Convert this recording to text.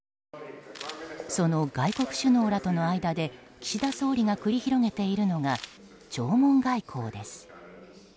その外国首脳らとの間で岸田総理が繰り広げているのが弔問外交です。